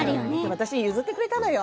私に譲ってくれたのよ。